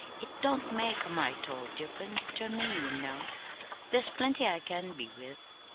"It don't make a mite o' diff'rence ter me, ye know. There's plenty I can be with."